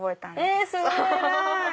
すごい！